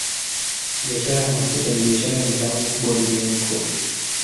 Biashara ya mafuta ni biashara yenye thamani kubwa duniani kote